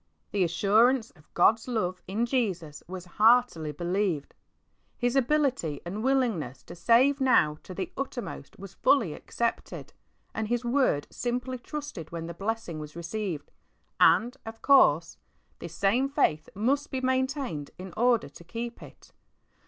The assurance of God's love in Jesus was heartily believed. Plis ability and willingness to save now to the uttermost was fully accepted, and His word simply trusted when the blessing was received ; and, of course, this same faith must be maintained in order to keep it.